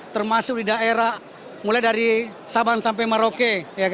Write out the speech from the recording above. termasuk di daerah mulai dari sabang sampai merauke